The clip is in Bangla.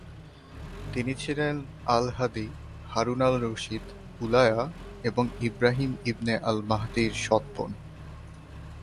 তিনি ছিলেন আল-হাদী, হারুন আল-রশিদ, উলায়া এবং ইব্রাহিম ইবনে আল-মাহদির সৎবোন।